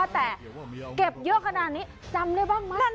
แต่เก็บเยอะขนาดนี้จำได้บ้างไหม